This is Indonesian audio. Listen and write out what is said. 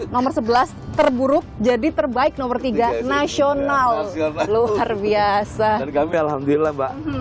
nomor sebelas terburuk jadi terbaik nomor tiga nasional luar biasa alhamdulillah mbak